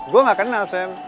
gue gak kenal sam